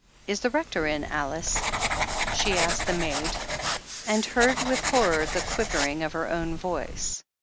"Is the Rector in, Alice?" she asked the maid, and heard with horror the quivering of her own voice.